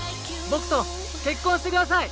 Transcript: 僕と結婚してください！